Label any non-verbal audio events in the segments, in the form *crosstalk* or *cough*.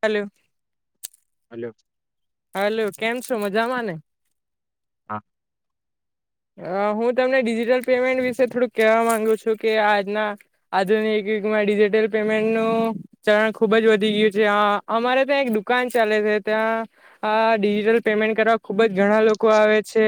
હાલો hello hello કેમ છો મજામાં ને હા અ હું તમને ડિજિટલ પેમેન્ટ વિશે થોડુંક કહેવા માંગુ છું કે આજના આધુનિક યુગમાં ડિજિટલ પેમેન્ટનું ચલણ ખુબ જ વધી ગયું છે અમારે ત્યાં એક દુકાન ચાલે છે ત્યાં આ ડિજિટલ પેમેન્ટ કરવા ખુબ જ ઘણા લોકો આવે છે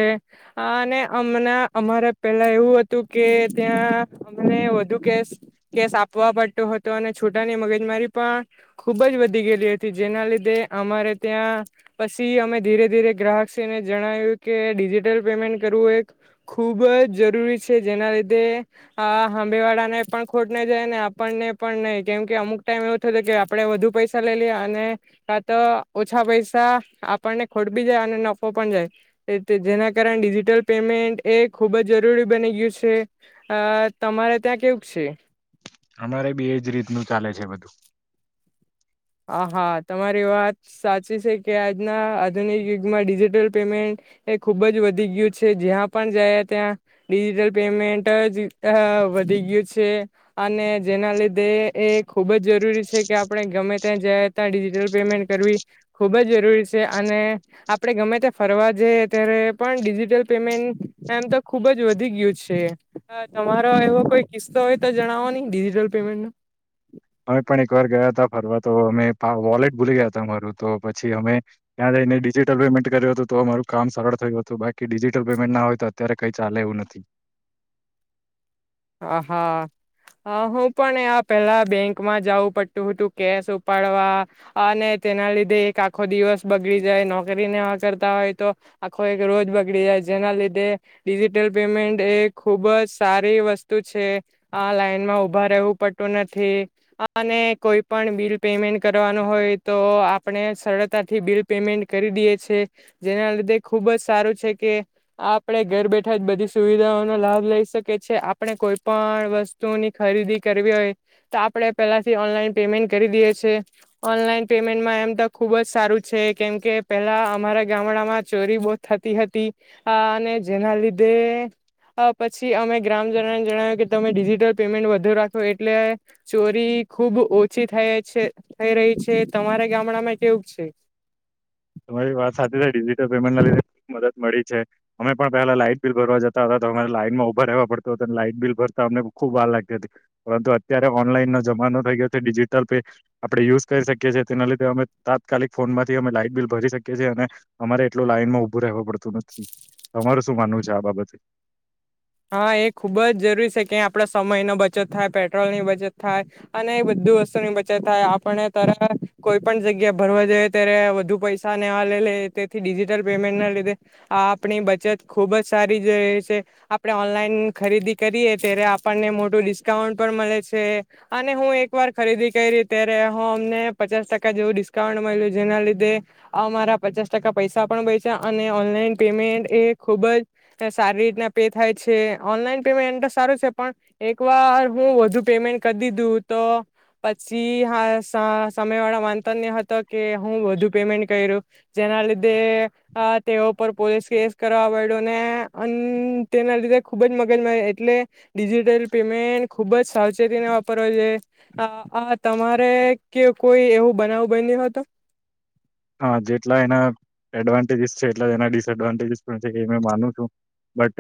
અને અમણાં અમારે પેલા એવું હતું કે ત્યાં અમને વધુ કેસ કેસ આપવા પડતો હતો અને છોટાની મગજમારી પણ ખુબ જ વધી ગયેલી હતી જેના લીધે અમારે ત્યાં પછી અમે ધીરે ધીરે ગ્રાહકશ્રીને જણાવ્યું કે ડિજિટલ પેમેન્ટ કરવું એક ખુબ જ જરૂરી છે જેના લીધે આ હંબેવાળાને પણ ખોટ ના જાય ને આપણને પણ નહી કેમ કે અમુક ટાઈમ એવો થતો કે આપણે વધુ પૈસા લઈ લએ અને આ તો ઓછા પૈસા પૈસા આપણને ખોટ બી જાય અને નફો પણ જાય જેના કારણે ડિજિટલ પેમેન્ટ એ ખૂબ જ જરૂરી બની ગયું છે તમારે ત્યાં કેવું છે અમારે બી એજ રીતનું ચાલે છે બધું, હા હા તમારી વાત સાચી છે કે આજના આધુનિક યુગમાં ડિજિટલ પેમેન્ટ એ ખુબ જ વધી ગયું છે જ્યાં પણ જયા ત્યાં ડિજિટલ પેમેન્ટ જ વધી ગયું છે. અને જેના લીધે એ ખુબ જ જરૂરી છે કે, આપણે ગમે ત્યાં જાય ત્યાં ડિજિટલ પેમેન્ટ કરવી ખુબ જ જરૂરી છે અને આપણે ગમે ત્યા ફરવા જઈ ત્યારે પણ ડિજિટલ પેમેન્ટ એમ તો ખુબ જ વધી ગયુ છે તમારો એવો કોઈ કિસ્સો હોય તો જણાવો નહીિજિટલ પેમેન્ટ ન અમે પણ એક વાર ગયા હતા ફરવા તો અમે વોલેટ ભૂલી ગયા હતા અરું તો પછી અમે ત્યાં જઈને ડિજિટલ પેમેન્ટ કર્યું હતું તો અમારું કામ સરળ થયું હતું બાકી ડિજિટલ પેમેન્ટ ના હોય તો અત્યારે કઈ ચાલે એવું નથી હ હા હું પણ એ પેલા બેંકમાં જવું પડતું હતું કેશ ઉપાડવા અને તેના લીધે એક આખો દિવસ બગડી જાય નોકરી ના કરતા હોય તો આખો એક રોજ બગડી જાય જેના લીધે ડિજિટલ પેમેન્ટ એ ખુબ જ સારી વસ્તુ આ લાઈનમાં ઉભા રહેવું પડતું નથી અને કોઈ પણ બિલ પેમેન્ટ કરવાનું હોય તો આપણે સરળતાથી બિલ પેમેન્ટ કરી દઈએ છે જેના લીધે ખુબ જ સારું છે કે આપડે ઘર બેઠા જ બધી સુવિધાઓનો લાભ લઈ શકીએ છેએ. આપણે કોઈ પણ વસ્તુની ખરીદી કરવી હોય તો આપણે પહેલાથી ઓનલાઈન પેમેન્ટ કરી દઈએ છ છેએ ઓનલાઈન પેમેન્ટમાં એમ તો ખૂબ જ સારું છે કેમકે પહેલાં અમારા ગામડામાં ચોરી બહત થતી હતી અને જેના લીધે પછી અમે ગ્રામ જણાવ્યું કે તમે ડિજિટલ પેમેન્ટ વધુ રાખો એટલે ચોરી ખુબ ઓછી થ છે થઈ રહી છે તમારા ગામડામાં કેવું છે તમારી વાત સાથે ડિજિટલ પેમેન્ટ લીધે ખબ મદદ મળી છે અમે પણ પેલા લાાઈટ બિલ ભરવા જતા હતા તો અરે લાઈન માં ઉભા રહેવા પડતો હતા અને લાઈટ બિલ ભરતા અમને ખુબ વાર લાગતી હતી પરંતુ અત્યારે ઓનલાઈન ન જમાનો થઈ ગયો છે ડિજિટલ પે આપડણે યુઝ કરી શકીએ છીએ તેના લીે અમે તાત્કાલિક ફોન માંથી અમે લાાઈટ બિલ ભરી શકીએ છેએ અને અમારે એટલું લાઈનમાં ઉભું રહેવું પડતું નથી તમારું શું માનવું છે આ બાબતે હા એ ખુબ જ જરૂરી છે કે આપડ સમય ન બચત થાય પેટ્રોલ ની બચત થાય અને એ બધું વસ્તુની બચત થાય આપણે ત્યારે કોઈ પણ જગ્યા ભરવા જઈએ ત્યારે વધુ પૈસા ન લે લે તેથી ડિજિટલ પેમેન્ટ ના લીધે આપણી બચત ખુબ જ સારી છે આપણે ઓનલાઈન ખરીદી કરીએ ત્યારે આપણને મોટું ડિસ્કાઉન્ટ પણ મળે છે અને હું એકવાર ખરીદી કરી ત્યારે હું અમને પચાસ ટકા જેવું ડિસ્કાઉન્ટ મળ્યું જેના લીધે અમારા પચાસ ટકા પૈસા પણ બય છે અને ઓનલાઈન પેમેન્ટ એ ખૂબ જ સારી રીતના પે થાય છે ઓનલાઈન પેમેન્ટ તો સારું છે પણ એક વાર હું વધુ પેમેન્ટ કર દીધું તો પછી હા સ સામે વાળા માનતન્ય હતો કે હું વધુ પેમેન્ટ કર્યું, જેના લીધે અ તેઓ પર પોલીસ કેસ કરવા વઇડો ને અમ તેના લીધે ખુબ જ મગજમાં એટલે ડિજિટલ પેમેન્ટ ખુબ જ સાવચેતીને વાપરવા જોએ આ આ તમારે કે કોઈ એવું બનાવું બન્યું હોતો? હા જેટલા એના એડવાન્ટેજીસ છે એટલા એના ડિસએડવાન્ટેજીસ પણ છે એ માનું છું, બટ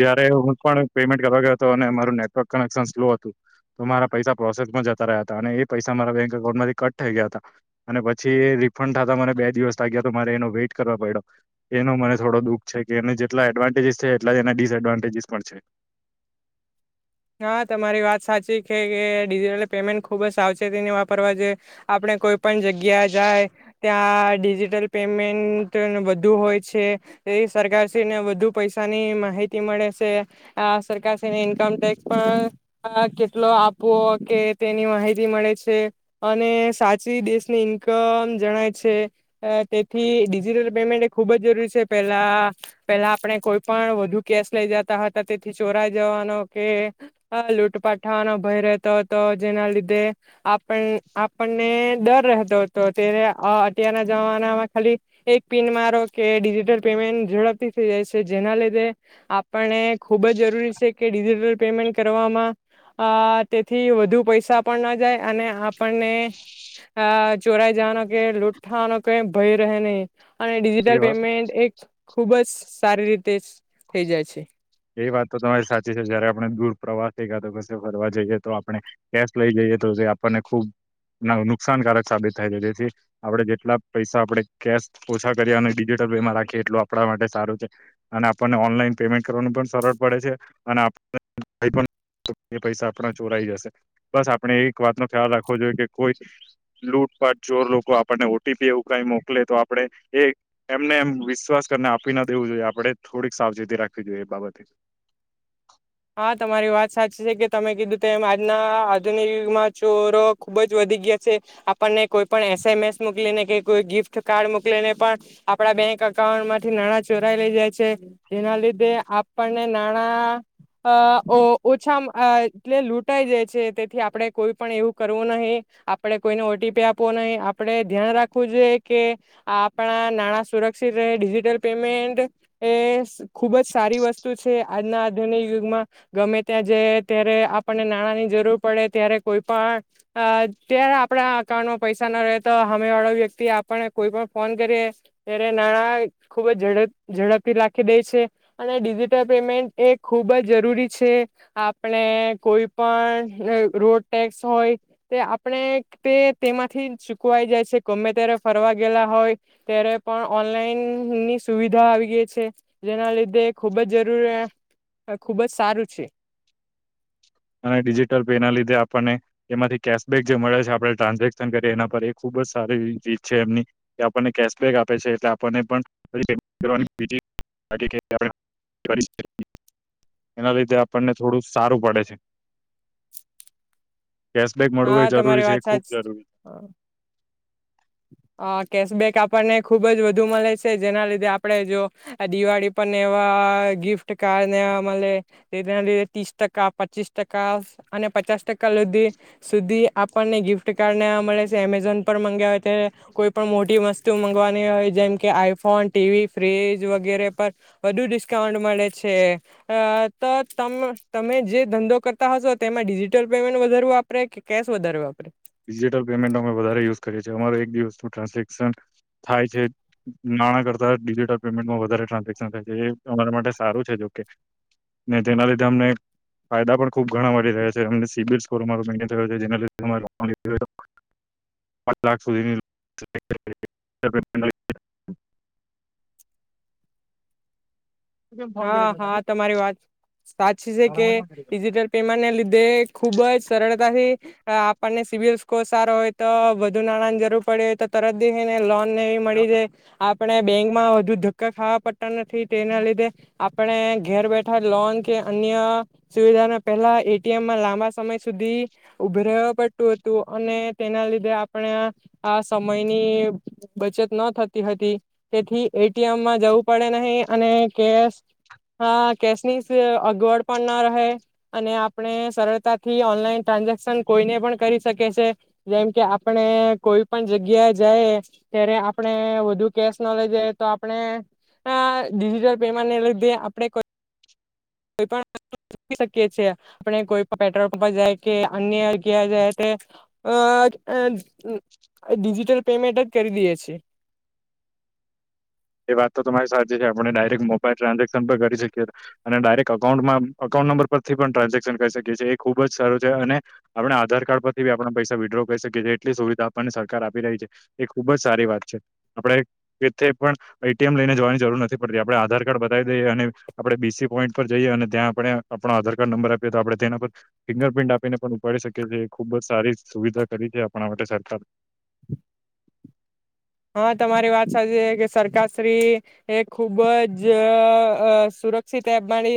જ્યારે હું પણ પેમેન્ટ કરવા ગ્યો હતો અને મારું નેટવર્ક કનેક્શન સ્લો હતું તો મારા પૈસા પ્રોસેસમાં જતા રહ્યા હતા અને એ પૈસા મારા બેંક એકકાઉન્ટમાંથી કટ થઈ ગયા હતા અને પ છી એ રિફંડ થતા મને બે દિવસ લાગ્યા તો મારે એનો વેટ કરવા પડ્યો, એનો મને થોડો દુઃખ છે કે એને જેટલા એડવાન્ટેજીસ છે એટલા જ એના ડિસએડવાન્ટેજીસ પણ છે. હા તમારી વાત સાચી છે કે ડિજિટલ પેમેન્ટ ખુબ જ સાવચેતીને વાપરવા જોએ આપણે કોઈ પણ જગ્યા જાય ત્યાં ડિજિટલ પેમેન્ટ ન બધુ હોય છે એ સરકારશ્રીને વધુ પૈસાની માહિતી મળે છે, આ સરકારશ્રીને ઇન્કમ ટેક્સ પણ આ કેટલો આપવો કે તેની માહિતી મળે છે, અને સાચી દેશની ઇન્કમ જણાય છે, તેથી ડિજિટલ પેમેન્ટ એ ખૂબ જ જરૂરી છે પેલા પેલા આપણે કોઈ પણ વધુ કેશ લઈ જતા હતા તેથી ચોરાઈ જવાનો કે લૂટ પાટ થવાનો ભય રહેતો હતો જેના લીધે આપણ આપણને ડર રહેતો હતો ત્યારે અત્યારના જમાનામાં ખાલી એક પિન મારો કે ડિજિટલ પેમેન્ટ ઝડપથી થઈ જાય છે, જેના લીધે આપણને ખુબ જ જરૂરી છે કે ડિજિટલ પેમેન્ટ કરવામાં અ તેથી વધુ પૈસા પણ ન જાય અને આપણને અ ચોરાઈ જવાનો કે લૂટ થવાનો કઇ ભય રહે નહીં. અને છે એ ડિજિટલ પેમેન્ટ એક ખુબ જ સારી રીતે જ થઈ જાય છે. એ વાત તો તમારી સાચી છે, જ્યારે આપણે દૂર પ્રવાસે કાતો કસે ફરવા જઈએ તો આપણે કેશ લઈ જઈએ તો તે આપણને ખુબ નુકસાનકારક સાબિત થાય છે જેથી આપણે જેટલા પૈસા આપણે કેશ ઓછા કરીએ અને ડિજિટલ પેમાં રાખીએ એટલું આપણા માટે સારું છે, અને આપણને ઓનલાઈન પેમેન્ટ કરવાનું પણ સરળ પડે છે અને પૈસા *unintelligible* આપડા ચોરાઈ જશે, બસ આપણે એક વાત નો ખ્યાલ રાખવો જોઈએ કે કોઈ લૂટપાટ ચોર લોકો આપર્ણે ઓ ટી પી એવું કઈ મોકલે તો આપણે એ એમને એ વિશ્વાસ કરીને આપી ના દેવું જોઈએ આપણે થોડીક સાવચેતી રાખ વી જોઈએ એ બાબતે. હા તમારી વાત સાચી છે કે તમે કીધું તેમ આજના આધુનિક યુગમાં ચોરો ખુબ જ વધી ગયા છે, આપર્ણે કોઈ પણ એસ એમ એસ મોકલીને કે કોઈ ગિફ્ટ કાર્ડ મોકલીને પણ આપડા બેંક અઉન્ટ માંથી નાણાં ચોરાય લઈ જાય છે જેના લીધે આપણને નાણા અ ઓ ઓછા અ એટલે લૂંટાઈ જાય છે, તેથી આપણે કોઈ પણ એવું કરવું નહી, આપેડે કોઈને ઓ ટી પી આપવો નહી, આપણેે ધ્યાન રાખવું જોઈ કે આપણા નાણાં સુરક્ષિત રહે ડિજિટલ પેમેન્ટ એ ખુબ જ સારી વસ્તુ છે આજના આધિક યુગમાં ગમે ત્યાં જઈ ત્યારે આપણને નાણાં ની જરૂર પડે ત્યારે કોઈ પણ અ ત્યારે આપણા અકાઉન્ટમાં પૈસા ના રહે તો હામે વાળો વ્યક્તિ આપર્ણે કોઈ પણ ફોન કરીએ, ત્યારે નાણાં ખુબ જડ ઝડપથી રાખી દે છે અને ડિજિટલ પેમેન્ટ એ ખૂબ જ જરૂરી છે આપણે કોઈ પણ રોડ ટેક્સ હોય તે આપણે તે તેમાંથી ચૂકવાઈ જાય છે ગમે ત્યારે ફરવા ગયેલા હોય ત્યારે પણ ઓનલાઈન ની સુવિધા આવી ગઈ છે જેના લીધે ખુબ જ જરૂરી હ ખુબ જ સારું છે. અને ડિજિટલ પે ના લીધે આપણને એમાંથી કેશબેક જે મળે છે આપણે ટ્રાન્ઝેક્શન કરીએ એના પર એ ખુબ જ સારી રીત છે એમની કે આપણને કેશબેક આપે છે એટલે આપણને *unintelligible* એના લીધે આપણને થોડું સારું પડે છે. કેશબેક મળવું એ હા તમારી જરૂરી છે વાત એ ખૂબ સાચ જરૂરી છે. હ કેશબેક આપણને ખુબ જ વધુ મળે છે જેના લીધે આપડણે જો દિવાળી પણને એવા ગિફ્ટ કાર્ડ ને મલે તેના લીધે ત્રીસ ટકા, પચીસ ટકા અને પચાસ ટકા લધી સુધી આપણને ગિફ્ટ કાર્ડ ને આ મળે છે, એમેઝોન પર મગાવવે કે કોઈ પણ મોટી વસ્તુ મંગવાની હોય જેમ કે આઈ ફોન, ટીવી, ફ્રીજ વગેરે પર વધુ ડિસ્કાઉન્ટ મળે છે, અ તો તમે તમે જે ધંધો કરતા હશો તેમાં ડિજિટલ પેમેન્ટ વધારું વાપરે કે કેશ વધાર વાપરે? ડિજિટલ પેમેન્ટ અમે વધારે યુઝ કરીએ છીએ અમાર એક દિવસનું ટ્રાન્ઝેક્શન થાય છે નાણાં કરતા ડિજિટલ પેમેન્ટમાં વધારે ટ્રાન્ઝેક્શન થાય છે એ અમારા માટે સારું છે જોકે, ને તેના લીધે અમને ફાયદા પણ ખુબ ઘણા મળી રહ્યા છે, એમને સીબિલ સ્કોર અમારો મેન્ટેન છે જેના લધે અમે લો ન લેવી હોય તો પાંચ લાખ સુધીની *unintelligible* કેમ ફોન હા કર્યો હા તમારી વાત સાચી છે તારા કે માટે ફોન કર્યો ડિજિટલ પેમેન્ટને લીધે ખુબ જ સરળતાથી આપણને સિવિલ સ્કોર સારો હોય તો વધુ નાણાં ની જરૂર પડે, તો તરત દેહે ને લોન ને એવી મળી જાય, આ પણે બેંક માં વધુ ધક્કા ખાવા પડ તા નથી ટેના લીધે આપણે ઘેર બેઠા લોન કે અન્ય સુવિધાને પહેલા એ ટી એમમાં લાંબા સમય સુધી ઉભે રેહે પડતું હતું અને તેના લીધે આપણે આ સમયની બચત ન થતી હતી, તેથી એ ટી એમમાં જવું પડે નહી અને કેશ હ કેશની સ અગવડ પણ ન રહે અને આપણે સરળતાથી ઓનલાઈન ટ્રાન્ઝેક્શન કોઈને પણ કરી શકે છે, જેમ કે આપણે કોઈ પણ જગ્યા જાયે, ત્યારે આપણે વધુ કેશ ન લઈ જઈએ તો આપણે અ ડિજિટલ પેમેન્ટ ને લીધે આપણે કો કોઈ પણ *unintelligible* આપડે કોઈ પણ પેટ્રોલ પંપ પર જાય કે અન્ય અગ્યાએ જાય અ અન તડીજિટલ પેમેન્ટ જ કરી દઈએ છે. એ વાત તો તમારી સાારીચી છે આપણે ડાયરેક્ટ મોબાઈલ ટ્રાન્ઝેક્શન પણ કરી શકીએ અને ડાયરેક્ટ અકાઉન્ટમાં અકાઉન્ટ નંબર પરથી પણ ટ્રાન્ઝેક્શન કરી શકીએ છીએ, એ ખુબ જ સારું છે અને આપણે આધાર કાર્ડ પરથી બી આપણે પૈસા વિડ્રો કરી શકીએ છીએ એટલી સુવિધા આપવાની સરકાર આપી રહી છે, એ ખુબ જ સારી વાત છે આપણે જે તે પણ એ ટી એમ લઈને જવાની જરૂર નથી પડતી, આપણે આધાર કાર્ડ બતાવી દઈએ અને આપણે બી સી પોઈન્ટ પર જઈએ અને ત્યાં આપણે આપણો આધાર કાર્ડ નંબર આપીએ તો આપણે તેના પર ફિંગર પ્ર્રિન્ટ આપીને પણ ઉપાડી શકીએ છીએ, ખૂબ જ સારી સુવિધા કરી છે આપણા માટે સરકાર એ હા તમારી વાત સાચી છે કે સરકારશ્રી એ ખુબ જ અ અ સુરક્ષિત એપ માળિ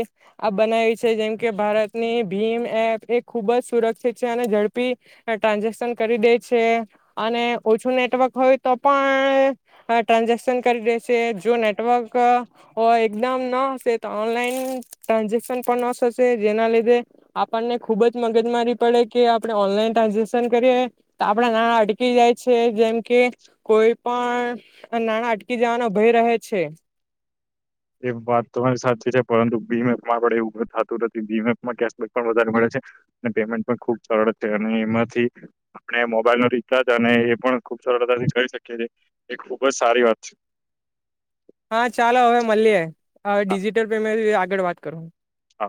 બનાવી છે જેમ કે ભારતની ભીમ એપ એ ખૂબ જ સુરક્ષિત છે અને ઝડપી ટ્રાન્ઝેક્શન કરી દે છે અને ઓછું નેટવર્ક હોય તો પણ ટ્રાન્ઝેક્શન કરી દે શે, જો નેટવર્ક અ એકદમ ન હશે તો ઓનલાઈન ટ્રાન્ઝેક્શન પણ ન થશે જેના લીધે આપણને ખુબ જ મગજમારી પડે કે આપણે ઓનલાઈન ટ્રાન્ઝેક્શન કરીએ, તો આપણા નાણાં અટકી જાય છે જેમ કે કોઈ પણ, નાણાં અટકી જવાનો ભય રહે છે. એ વાત તોરી સાથે છે પરંતુ બીમેપમાં આપણે એવું થતું નથી, બીમેપમાં કેબક પણ વધારે મળે છે અને પેમેન્ટ પણ ખૂબ સરળ છે અને એમાંથી આપણે મોબાઈલનો રીચાર્જ અને એ પણ ખૂબ સરળતાથી કરી શકી છેએ, એ ખુબ જ સારી વાત છે. હા ચાલો હવે મલીએ. હ ડીજિટલ પેમેન્ટ થી *unintelligible* આગળ વાત કરો? હ.